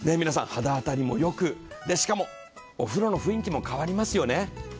皆さん肌当たりも良くでしかもお風呂の雰囲気も変わりますよね。